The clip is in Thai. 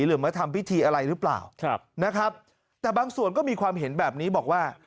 หรือมาทำพิธีอะไรหรือเปล่านะครับแต่บางส่วนก็มีความเห็นแบบนี้บอกว่า